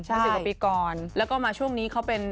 สิบกว่าปีก่อนแล้วก็มาช่วงนี้เขาเป็น